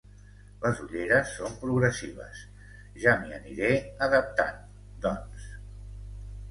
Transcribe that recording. Les ulleres són progressives, ja m'hi aniré adaptant, doncs.